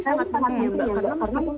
sangat penting mbak karena misalnya